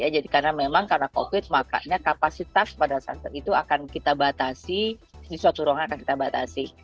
jadi karena memang karena covid makanya kapasitas pada saat itu akan kita batasi di suatu ruangan akan kita batasi